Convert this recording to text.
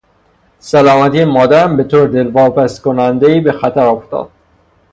سلامتی مادرم به طور دلواپسکنندهای به خطر افتاد.